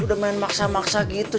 udah main maksa maksa gitu